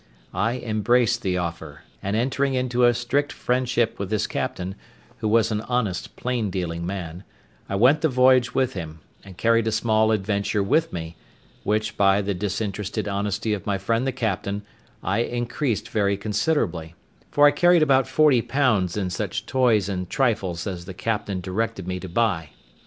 I embraced the offer; and entering into a strict friendship with this captain, who was an honest, plain dealing man, I went the voyage with him, and carried a small adventure with me, which, by the disinterested honesty of my friend the captain, I increased very considerably; for I carried about £40 in such toys and trifles as the captain directed me to buy.